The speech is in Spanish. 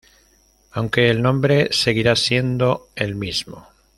Aunque el nombre seguirá siendo el mismo.